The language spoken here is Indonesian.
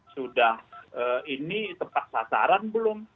sudah ini tepat sasaran belum